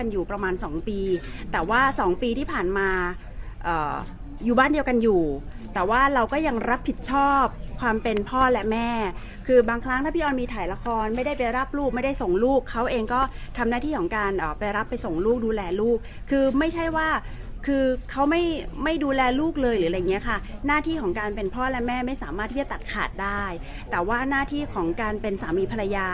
อยู่ประมาณสองปีแต่ว่าสองปีที่ผ่านมาอยู่บ้านเดียวกันอยู่แต่ว่าเราก็ยังรับผิดชอบความเป็นพ่อและแม่คือบางครั้งถ้าพี่ออนมีถ่ายละครไม่ได้ไปรับลูกไม่ได้ส่งลูกเขาเองก็ทำหน้าที่ของการไปรับไปส่งลูกดูแลลูกคือไม่ใช่ว่าคือเขาไม่ไม่ดูแลลูกเลยหรืออะไรอย่างเงี้ยค่ะหน้าที่ของการเป็นพ่อและแม่ไม่สามารถที่จะตัดขาดได้แต่ว่าหน้าที่ของการเป็นสามีภรรยา